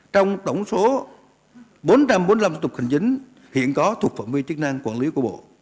trong tổng số bốn trăm bốn mươi năm thủ tục hành chính hiện có thuộc phạm vi chức năng quản lý của bộ